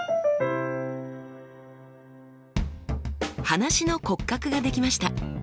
話の骨格ができました。